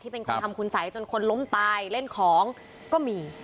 เป็นคนทำคุณสัยจนคนล้มตายเล่นของก็มี